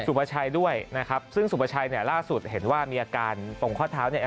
ประชัยด้วยนะครับซึ่งสุประชัยเนี่ยล่าสุดเห็นว่ามีอาการตรงข้อเท้าเนี่ย